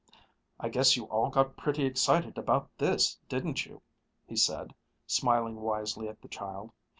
"I guess you all got pretty excited about this, didn't you?" he said, smiling wisely at the child.